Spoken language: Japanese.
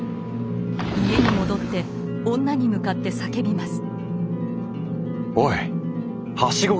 家に戻って女に向かって叫びます。